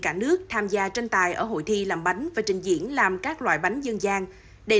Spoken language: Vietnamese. cả nước tham gia tranh tài ở hội thi làm bánh và trình diễn làm các loại bánh dân gian đây